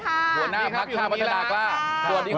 หัวหน้าพักชาติพัฒนากล้าสวัสดีครับ